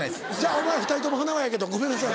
お前ら２人とも「ハナワ」やけどごめんなさい。